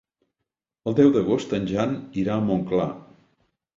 El deu d'agost en Jan irà a Montclar.